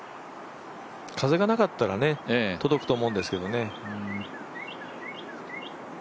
風がなかったら届くと思うんですけどね。